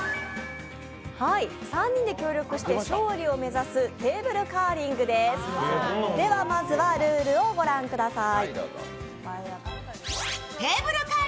３人で協力して、勝利を目指すテーブルカーリングですまずはルールをご覧ください。